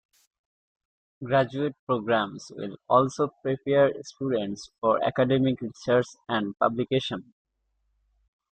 Graduate programs will also prepare students for academic research and publication.